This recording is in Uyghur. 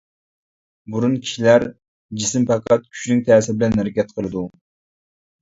بۇرۇن كىشىلەر جىسىم پەقەت كۈچنىڭ تەسىرى بىلەن ھەرىكەت قىلىدۇ.